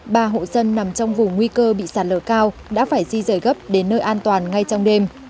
ba hộ dân nằm trong vùng nguy cơ bị sạt lở cao đã phải di rời gấp đến nơi an toàn ngay trong đêm